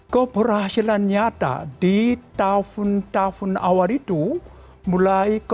keperhasilan nyata di tahun tahun awal itu mulai kembali